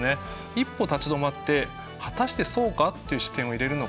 一歩立ち止まって果たしてそうかっていう視点を入れるのがですね